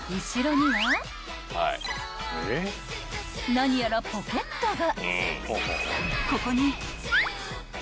［何やらポケットが］